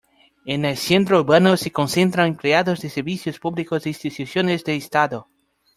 En el centro urbano se concentran empleados de servicios públicos e instituciones del estado.